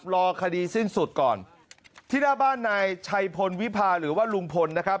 รอคดีสิ้นสุดก่อนที่หน้าบ้านนายชัยพลวิพาหรือว่าลุงพลนะครับ